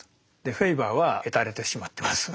フェーバーはへたれてしまってます。